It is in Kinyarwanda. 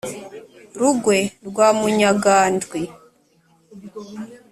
rugwe rwa munyagandwi.